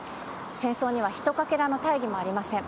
戦争にはひとかけらの大義もありません。